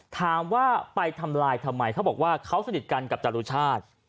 ถามว่าไปทำลายทำไมเขาบอกว่าเขาสนิทกันกับจรุชาติ